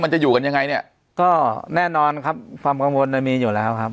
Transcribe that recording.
จะอยู่กันยังไงเนี่ยก็แน่นอนครับความกังวลมันมีอยู่แล้วครับ